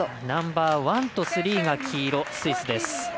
ナンバーワンとスリーが黄色スイスです。